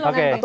bagi dua dong